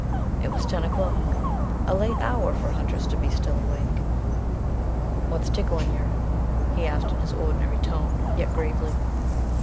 It was ten o'clock a late hour for hunters to be still awake. "What's ticklin' yer?" he asked in his ordinary tone, yet gravely.